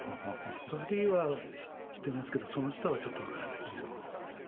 ２人は知ってますけど、その下はちょっと分からないですけど。